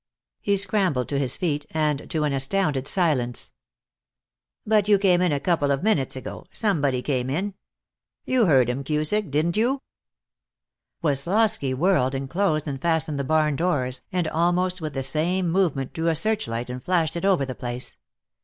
He scrambled to his feet, and to an astounded silence. "But you came in a couple of minutes ago. Somebody came in. You heard him, Cusick, didn't you?" Woslosky whirled and closed and fastened the barn doors, and almost with the same movement drew a searchlight and flashed it over the place.